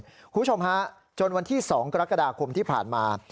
คุณผู้ชมฮะจนวันที่๒กรกฎาคมที่ผ่านมา